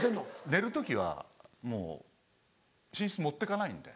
寝る時はもう寝室持ってかないんで。